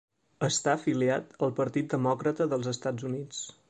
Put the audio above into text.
Està afiliat al Partit Demòcrata dels Estats Units.